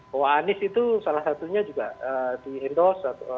bahwa anies itu salah satunya juga di endorse